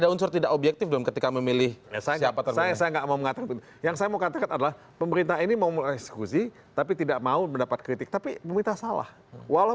untuk bandar bandar narkotika